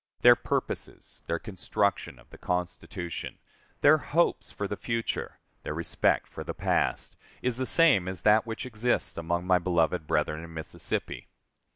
Their purposes, their construction of the Constitution, their hopes for the future, their respect for the past, is the same as that which exists among my beloved brethren in Mississippi....